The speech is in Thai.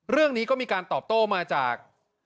เรื่องนี้ก็มีการตอบโต้มาจาก